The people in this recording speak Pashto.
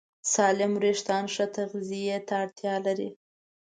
سالم وېښتيان ښه تغذیه ته اړتیا لري.